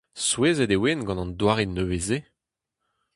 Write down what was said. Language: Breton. Souezhet e oan gant an doare nevez-se.